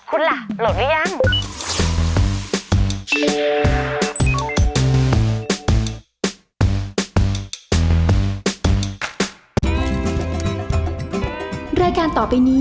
คุณล่ะโหลดหรือยัง